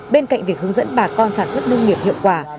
bên cạnh việc hướng dẫn bà con sản xuất nông nghiệp hiệu quả